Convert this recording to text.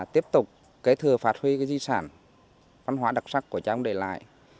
tiếp tục kế thừa phát huy cái di sản văn hóa đặc sắc của trang đề lại